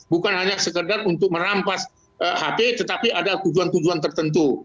bukan hanya sekedar untuk merampas hp tetapi ada tujuan tujuan tertentu